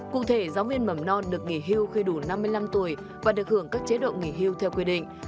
cụ thể giáo viên mầm non được nghỉ hưu khi đủ năm mươi năm tuổi và được hưởng các chế độ nghỉ hưu theo quy định